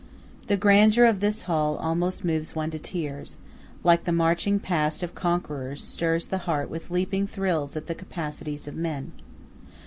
The grandeur of this hall almost moves one to tears, like the marching past of conquerors, stirs the heart with leaping thrills at the capacities of men.